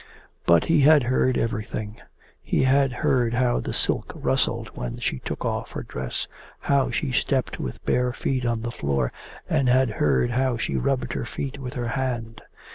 But he had heard everything. He had heard how the silk rustled when she took off her dress, how she stepped with bare feet on the floor, and had heard how she rubbed her feet with her hand.